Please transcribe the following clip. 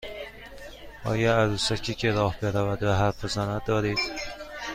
آیا عروسکی که راه برود و حرف بزند دارید؟